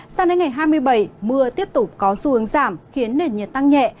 sang đến ngày hai mươi bảy mưa tiếp tục có xu hướng giảm khiến nền nhiệt tăng nhẹ